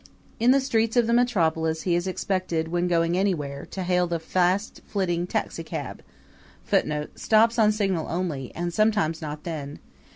In the streets of the metropolis he is expected, when going anywhere, to hail the fast flitting taxicab [Footnote: Stops on signal only and sometimes not then.